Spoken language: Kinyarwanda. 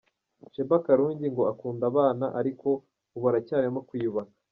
Sheebah Karungi ngo akunda abana ariko ubu aracyarimo kwiyubaka.